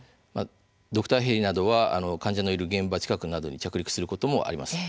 ドクターヘリなどは患者のいる現場近くなどに着陸することもあります。